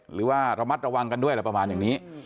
หรือว่าระมัดระวังกันด้วยอะไรประมาณอย่างนี้